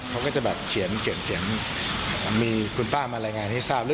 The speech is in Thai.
เขาก็จะแบบเขียนเขียนมีคุณป้ามารายงานให้ทราบ